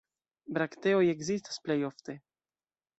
Brakteoj ekzistas plej ofte.